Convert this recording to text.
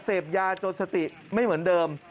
เสพยาจนสติไม่เหมือนเดิม